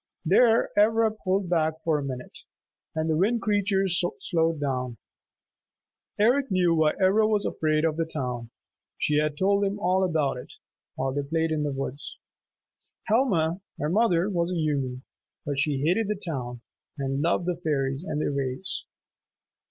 There Ivra pulled back for a minute, and the Wind Creatures slowed down. Eric knew why Ivra was afraid of the town. She had told him all about it while they played in the wood. Helma, her mother, was a human, but she hated the town and loved the fairies and their ways.